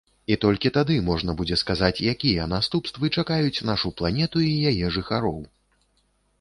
І толькі тады можна будзе сказаць, якія наступствы чакаюць нашу планету і яе жыхароў.